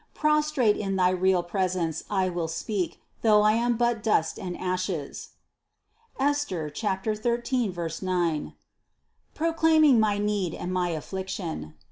Pros trate in thy real presence I will speak, though I am but dust and ashes (Esther 13, 9) proclaiming my need and my affliction.